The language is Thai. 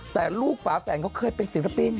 แต่ลูกฝาแฝงเขาเคยเป็นศิลปิน